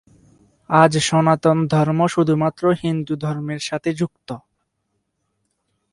আজ, সনাতন ধর্ম শুধুমাত্র হিন্দু ধর্মের সাথে যুক্ত।